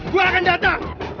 gue akan datang